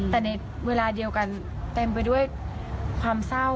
แต่ในเวลาเดียวกันเต็มไปด้วยความเศร้า